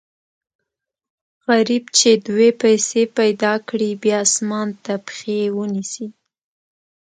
غریب چې دوې پیسې پیدا کړي، بیا اسمان ته پښې و نیسي.